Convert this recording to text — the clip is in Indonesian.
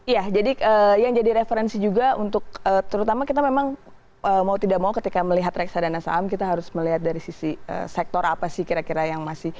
ya jadi yang jadi referensi juga untuk terutama kita memang mau tidak mau ketika melihat reksadana saham kita harus melihat dari sisi sektor apa sih kira kira yang masih